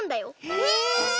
え